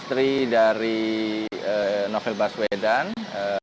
istri dari novel baswedan yang juga dianggap sebagai penyidik kpk